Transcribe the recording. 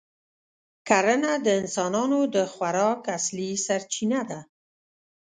کرنه د انسانانو د خوراک اصلي سرچینه ده.